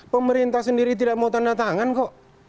pemerintah sendiri tidak mau tanda tangan kok